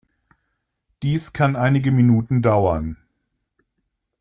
Dies kann einige Minuten dauern.